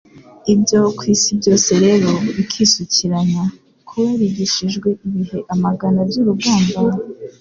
Ibyo ku isi byose rero bikisukiranya. Kuba yarigishijwe ibihe amagana by'urugamba,